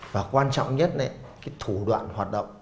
và quan trọng nhất thủ đoạn hoạt động